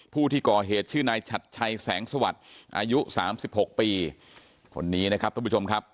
ผู้ที่ก่อเหตุชื่อนายชัดชัยแสงสวัสดิ์อายุสามสิบหกปีคนนี้นะครับทุกผู้ชมครับ